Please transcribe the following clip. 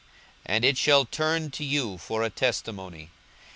42:021:013 And it shall turn to you for a testimony.